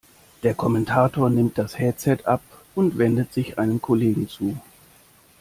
Der Kommentator nimmt das Headset ab und wendet sich einem Kollegen zu.